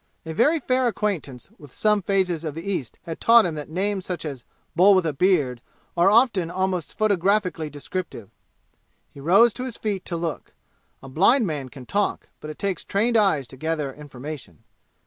A very fair acquaintance with some phases of the East had taught him that names such as Bull with a beard are often almost photographically descriptive. He rose to his feet to look. A blind man can talk, but it takes trained eyes to gather information.